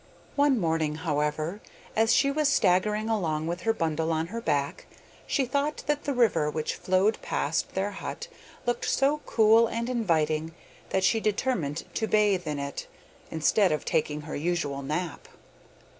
One morning, however, as she was staggering along with her bundle on her back, she thought that the river which flowed past their hut looked so cool and inviting that she determined to bathe in it, instead of taking her usual nap.